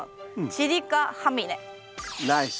チリカハミネ。